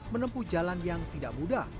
menempuh jalan yang tidak mudah